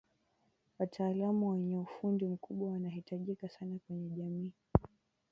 wataalamu wenye ufundi mkubwa wanahitajika sana kwenye jamii